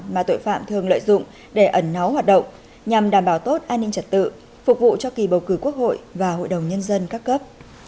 mà tội phạm thường lợi dụng để ẩn náu hoạt động nhằm đảm bảo tốt an ninh trật tự phục vụ cho kỳ bầu cử quốc hội và hội đồng nhân dân các cấp